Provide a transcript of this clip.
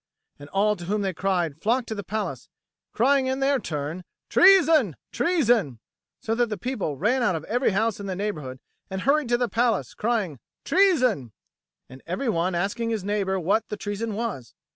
And all to whom they cried flocked to the palace, crying in their turn, "Treason, treason!" so that people ran out of every house in the neighbourhood and hurried to the palace, crying "Treason!" and every one asking his neighbour what the treason was.